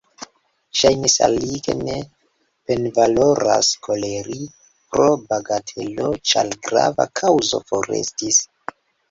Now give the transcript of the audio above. Ŝajnis al li, ke ne penvaloras koleri pro bagatelo, ĉar grava kaŭzo forestis.